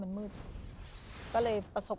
มันมืดก็เลยประสบ